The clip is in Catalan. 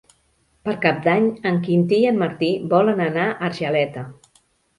Per Cap d'Any en Quintí i en Martí volen anar a Argeleta.